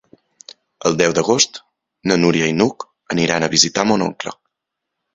El deu d'agost na Núria i n'Hug aniran a visitar mon oncle.